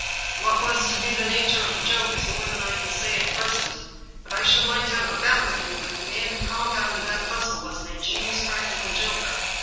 What was to be the nature of the joke is more than I can say at present, but I should like to have a bet with you that the man who compounded that puzzle was an ingenious practical joker.